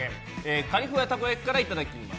カリフワたこ焼きいただきます。